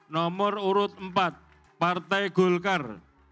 nomor urut empat partai golkar